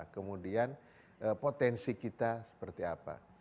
kemudian potensi kita seperti apa